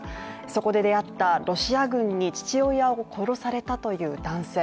そこで出会ったロシア軍に父親を殺されたという男性。